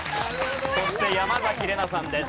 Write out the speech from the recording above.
そして山崎怜奈さんです。